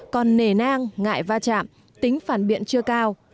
còn nề nang ngại va chạm tính phản biện chưa cao